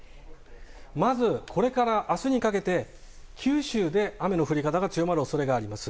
まずこれから明日にかけて九州で雨の降り方が強まる恐れがあります。